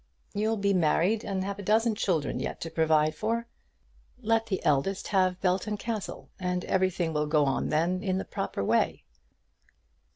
You'll be married and have a dozen children yet to provide for. Let the eldest have Belton Castle, and everything will go on then in the proper way."